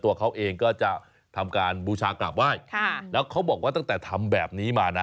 ตัวเขาเองก็จะทำการบูชากราบไหว้ค่ะแล้วเขาบอกว่าตั้งแต่ทำแบบนี้มานะ